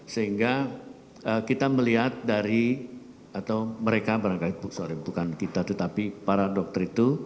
sehingga kita melihat dari atau mereka bukan kita tetapi para dokter itu